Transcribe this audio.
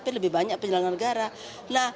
tapi lebih banyak penyelenggaraan negara